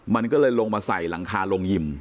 มันก็เลยลงมาใส่หลังคาโรงยิม